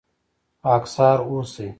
خاکسار اوسئ